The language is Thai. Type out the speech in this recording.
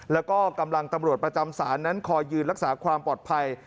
แล้วก็กำลังตำรวจประจำศาลนั้นคอยยืนรักษาความปลอดภัย